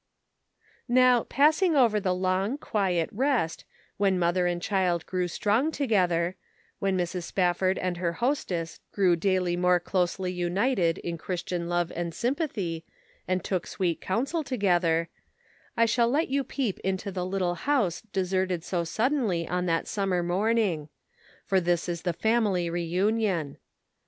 " Now, passing over the long, quiet rest, when mother and child grew strong together, when Mrs. Spafford and her hostess grew daily more closely united in Christian love and sympathy, and took sweet counsel together, I shall let you peep into the little house deserted so sud denly on that summer morning — for this is the family reunion.